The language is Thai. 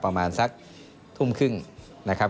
ประมาณสักทุ่มครึ่งนะครับ